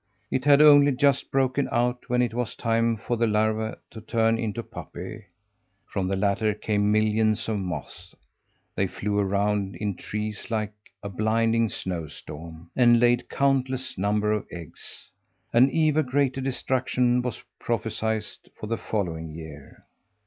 It had only just broken out when it was time for the larvae to turn into pupae. From the latter came millions of moths. They flew around in the trees like a blinding snowstorm, and laid countless numbers of eggs. An even greater destruction was prophesied for the following year.